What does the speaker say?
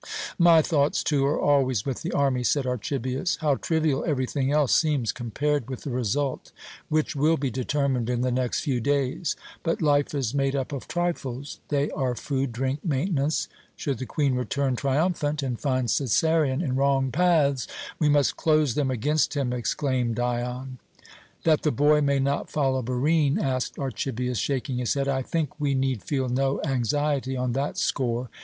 "My thoughts, too, are always with the army," said Archibius. "How trivial everything else seems compared with the result which will be determined in the next few days! But life is made up of trifles. They are food, drink, maintenance. Should the Queen return triumphant, and find Cæsarion in wrong paths " "We must close them against him," exclaimed Dion. "That the boy may not follow Barine?" asked Archibius, shaking his head. "I think we need feel no anxiety on that score.